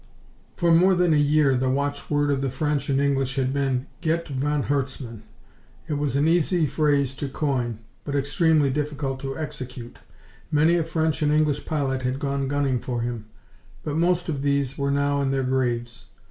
For more than a year the watchword of the French and English had been, "Get von Herzmann." It was an easy phrase to coin, but extremely difficult to execute. Many a French and English pilot had gone gunning for him, but most of these were now in their graves.